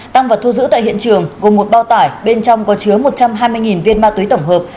tăng vật thu giữ tại hiện trường gồm một bao tải bên trong có chứa một trăm hai mươi viên ma túy tổng hợp